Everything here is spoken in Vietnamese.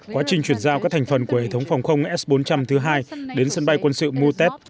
quá trình chuyển giao các thành phần của hệ thống phòng không s bốn trăm linh thứ hai đến sân bay quân sự mutet